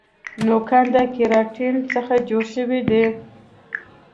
نوکان د کیراټین څخه جوړ شوي دي